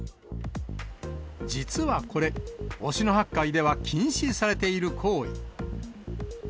実はこれ、忍野八海では禁止されている行為。